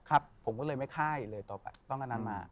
ครับผมก็เลยไม่ฆ่าอีกเลยต้องกันนั้นมา